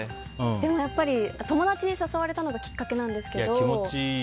友達に誘われたのがきっかけなんですけど。